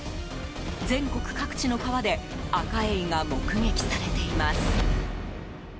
全国各地の川でアカエイが目撃されています。